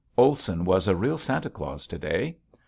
Olson was a real Santa Claus to day.